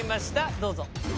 どうぞ。